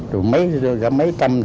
rồi mấy trăm